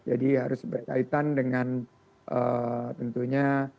jadi harus berkaitan dengan tentunya